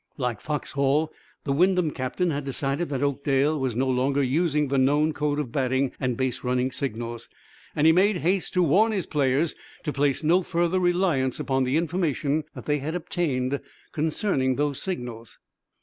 Like Foxhall, the Wyndham captain had decided that Oakdale was no longer using the known code of batting and base running signals, and he made haste to warn his players to place no further reliance upon the information they had obtained concerning those signals.